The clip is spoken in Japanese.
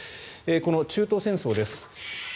この中東戦争です。